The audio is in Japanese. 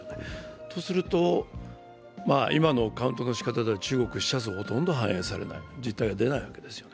とすると、今のカウントのしかたでは中国ではほとんど実態が出ないわけですよね。